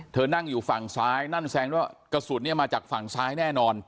นั่งอยู่ฝั่งซ้ายนั่นแสดงว่ากระสุนเนี่ยมาจากฝั่งซ้ายแน่นอน